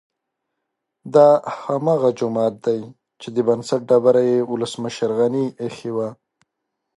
دا هماغه جومات دی چې د بنسټ ډبره یې ولسمشر غني ايښې وه